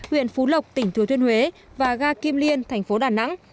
huyện phú lộc tỉnh thừa thiên huế và ga kim liên thành phố đà nẵng